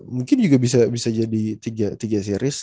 mungkin juga bisa jadi tiga series